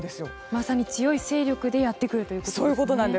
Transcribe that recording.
まさに強い勢力でやってくるんですね。